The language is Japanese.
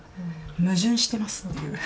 矛盾していますっていう。